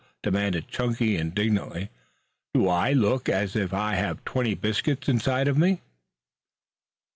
demanded Chunky indignantly. "Do I look as if I had twenty biscuit inside of me?"